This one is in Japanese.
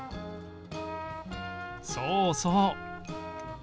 そうそう。